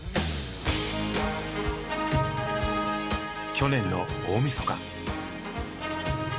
去年の大みそか。